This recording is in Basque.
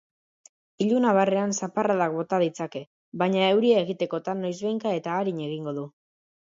Ilunabarrean zaparradak bota ditzake, baina euria egitekotan noizbehinka eta arin egingo du.